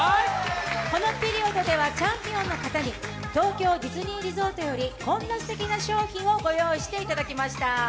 このピリオドではチャンピオンの方に東京ディズニーリゾートよりこんなすてきな商品をご用意していただきました。